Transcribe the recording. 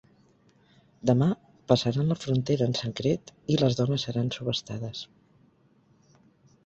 Demà, passaran la frontera en secret i les dones seran subhastades.